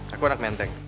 aku anak menteng